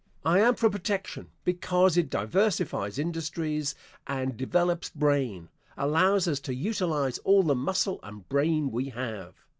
I am for protection because it diversifies industries and develops brain allows us to utilize all the muscle and brain we have.